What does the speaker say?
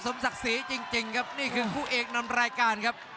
สมศักดิ์ศรีจริงครับ